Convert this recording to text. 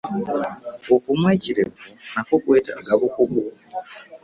Okumwa ekirevu nakwo kwetaaga bukugu.